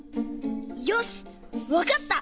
よしわかった！